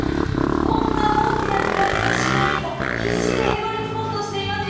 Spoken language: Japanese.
こんな大きなクラゲの死骸にも必死でへばりつこうとしていますよ。